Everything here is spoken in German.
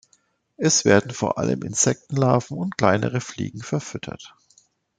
Es werden vor allem Insektenlarven und kleinere Fliegen verfüttert.